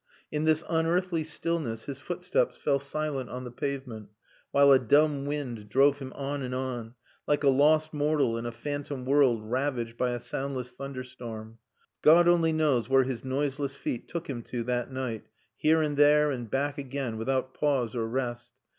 In this unearthly stillness his footsteps fell silent on the pavement, while a dumb wind drove him on and on, like a lost mortal in a phantom world ravaged by a soundless thunderstorm. God only knows where his noiseless feet took him to that night, here and there, and back again without pause or rest.